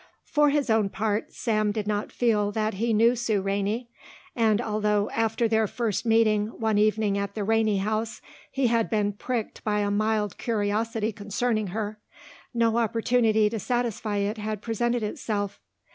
For his own part, Sam did not feel that he knew Sue Rainey, and although, after their first meeting one evening at the Rainey house, he had been pricked by a mild curiosity concerning her, no opportunity to satisfy it had presented itself.